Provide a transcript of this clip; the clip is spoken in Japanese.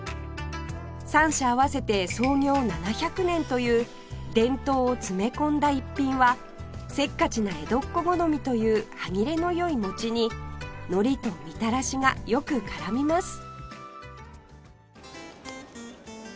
３社合わせて創業７００年という伝統を詰め込んだ逸品はせっかちな江戸っ子好みという歯切れの良い餅に海苔とみたらしがよく絡みます